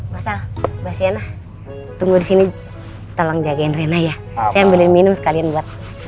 masa mbak siana tunggu di sini tolong jagain rena ya saya ambil minum sekalian buat